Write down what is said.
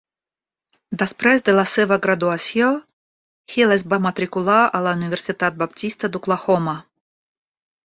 Després de la seva graduació, Hill es va matricular a la Universitat Baptista d'Oklahoma.